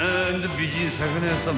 美人魚屋さん］